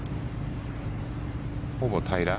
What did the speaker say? ほぼ平ら？